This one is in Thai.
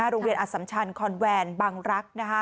โรงเรียนอัสสำชันคอนแวนบังรักษ์